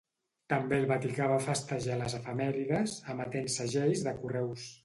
També el Vaticà va festejar les efemèrides, emetent segells de correus.